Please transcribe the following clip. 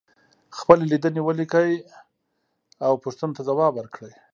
خپلې لیدنې ولیکئ او پوښتنو ته ځواب ورکړئ.